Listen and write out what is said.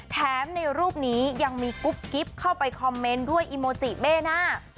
ในรูปนี้ยังมีกุ๊บกิ๊บเข้าไปคอมเมนต์ด้วยอีโมจิเบน่า